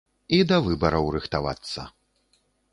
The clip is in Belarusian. І да выбараў рыхтавацца.